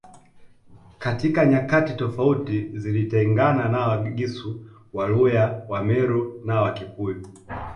Katika nyakati tofauti zilitengana na Wagisu Waluya Wameru na Wakikuyu